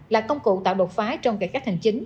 là công cụ tạo đột phá trong cải cách hành chính